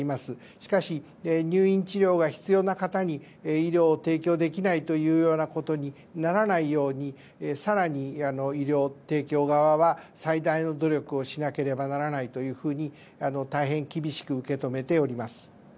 しかし、入院治療が必要な方に医療が提供できないということにならないように更に医療提供側は最大の努力をしなければならないというふうに大変厳しく受け止めております。